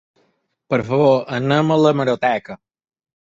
Per favor, anem a l’hemeroteca.